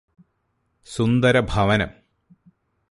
സുന്ദരഭവനം